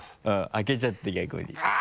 開けちゃって逆に。